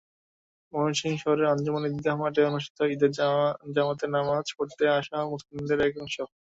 ময়মনসিংহ শহরের আঞ্জুমান ঈদগাহ মাঠে অনুষ্ঠিত ঈদের জামাতে নামাজ পড়তে আসা মুসল্লিদের একাংশ।